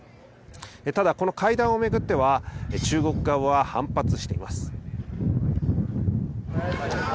ただ、この会談を巡っては、中国側は反発しています。